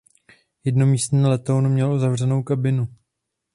Jednomístný letoun měl uzavřenou kabinu.